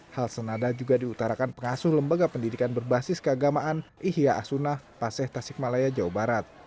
hal senada juga diutarakan pengasuh lembaga pendidikan berbasis keagamaan ihya asunah paseh tasikmalaya jawa barat